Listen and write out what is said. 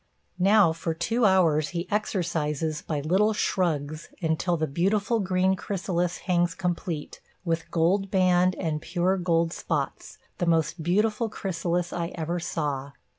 Now for two hours he exercises by little shrugs until the beautiful green chrysalis hangs complete, with gold band and pure gold spots, the most beautiful chrysalis I ever saw.